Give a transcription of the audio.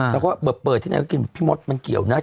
แล้วก็เปิดที่ไหนก็กินพี่มดมันเกี่ยวนะ